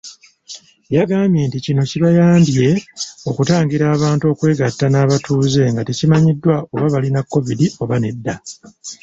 Yagambye kino kibayambye okutangira abantu okwegatta n'abatuuze nga tekimanyiddwa oba balina Kovidi oba nedda.